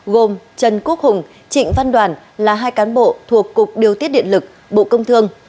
gồm trần quốc hùng trịnh văn đoàn là hai cán bộ thuộc cục điều tiết điện lực bộ công thương